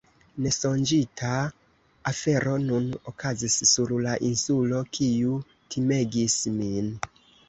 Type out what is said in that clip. Nesonĝita afero nun okazis sur la insulo kiu timegis min.